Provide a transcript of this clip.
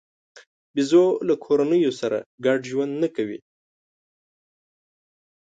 بیزو له کورنیو سره ګډ ژوند نه کوي.